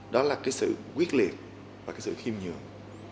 đó là cái sự quyết liệt và cái sự khiêm nhường